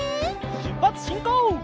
しゅっぱつしんこう！